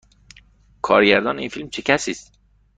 کارگردان این فیلم چه کسی است؟